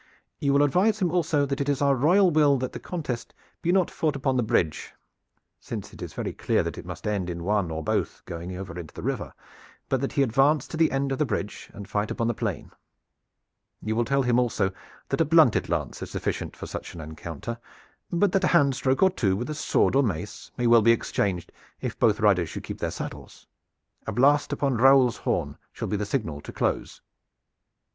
You will advise him also that it is our royal will that this contest be not fought upon the bridge, since it is very clear that it must end in one or both going over into the river, but that he advance to the end of the bridge and fight upon the plain. You will tell him also that a blunted lance is sufficient for such an encounter, but that a hand stroke or two with sword or mace may well be exchanged, if both riders should keep their saddles. A blast upon Raoul's horn shall be the signal to close."